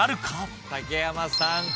竹山さん